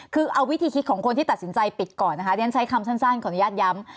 คือเอาวิธีคิดของคนที่ตัดสินใจปิดก่อนนะคะเรียนใช้คำสั้นขออนุญาตย้ำ